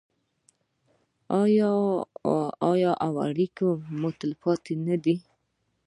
آیا او اړیکې مو تلپاتې نه دي؟